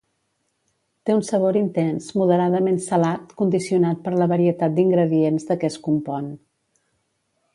Té un sabor intens moderadament salat condicionat per la varietat d'ingredients de què es compon.